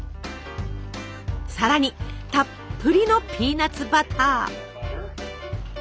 さらにたっぷりのピーナツバター。